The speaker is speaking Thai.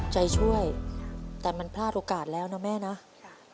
ใจช่วยแต่มันพลาดโอกาสแล้วนะครับ